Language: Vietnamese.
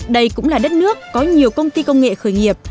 đây cũng là đất nước có nhiều công ty công nghệ khởi nghiệp